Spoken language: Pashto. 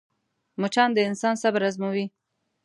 مچان د انسان صبر ازموي